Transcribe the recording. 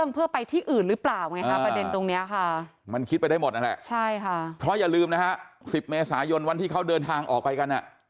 เพราะอย่าลืมนะฮะ๑๐เมษายนวันที่เขาเดินทางออกไปกัน